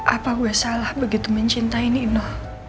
apa gue salah begitu mencintai nikno